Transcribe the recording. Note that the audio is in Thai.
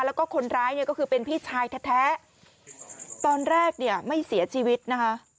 แล้วก็คนร้ายเนี่ยก็คือเป็นพี่ชายแท้ตอนแรกเนี่ยไม่เสียชีวิตนะคะ